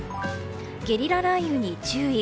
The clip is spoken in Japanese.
ゲリラ雷雨に注意。